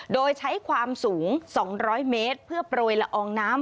โดยใช้ความสูง๒๐๐เมตรเพื่อโปรยละอองน้ำ